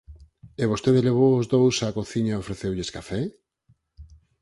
E vostede levou os dous á cociña e ofreceulles café?